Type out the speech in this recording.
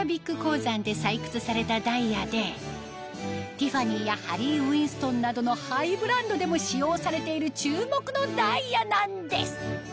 ティファニーやハリー・ウィンストンなどのハイブランドでも使用されている注目のダイヤなんです